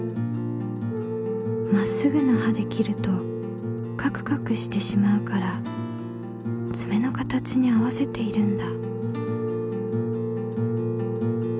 まっすぐな刃で切るとカクカクしてしまうからつめの形に合わせているんだ。